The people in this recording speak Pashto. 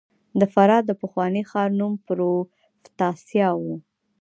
د فراه د پخواني ښار نوم پروفتاسیا و